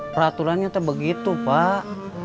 peraturan itu begitu pak